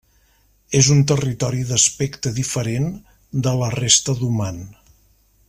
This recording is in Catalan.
És un territori d'aspecte diferent de la resta d'Oman.